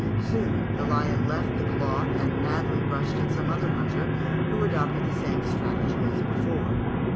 Soon the lion left the cloth and madly rushed at some other hunter, who adopted the same strategy as before.